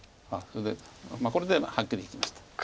これではっきり生きました。